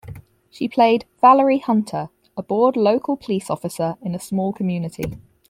She played "Valerie Hunter", a bored local police officer in a small community.